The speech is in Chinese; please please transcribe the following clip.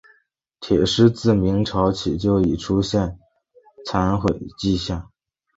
铁狮自明朝起就已出现残毁迹象。